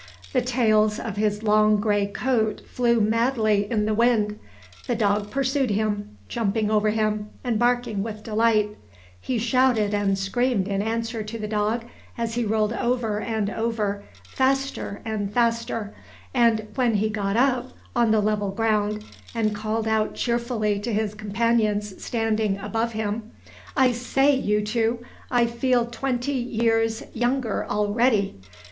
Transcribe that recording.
The tails of his long gray coat flew madly in the wind: the dog pursued him, jumping over him, and barking with delight; he shouted and screamed in answer to the dog as he rolled over and over faster and faster; and, when he got up, on the level ground, and called out cheerfully to his companions standing above him, "I say, you two, I feel twenty years younger already!"